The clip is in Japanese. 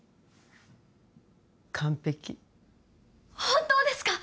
完璧本当ですか？